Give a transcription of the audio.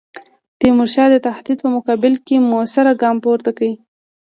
تیمورشاه د تهدید په مقابل کې موثر ګام پورته کړ.